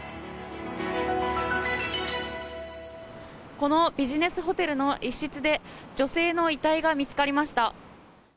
このビジネスホテルの一室で女性の遺体が見つかりました。